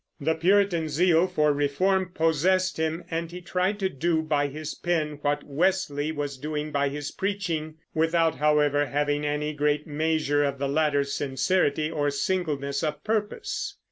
The Puritan zeal for reform possessed him, and he tried to do by his pen what Wesley was doing by his preaching, without, however, having any great measure of the latter's sincerity or singleness of purpose.